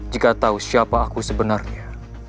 jika tahu siapa aku sebenarnya